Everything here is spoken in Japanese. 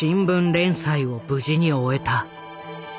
連載を無事に終えた。